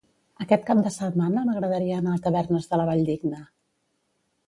Aquest cap de setmana m'agradaria anar a Tavernes de la Valldigna.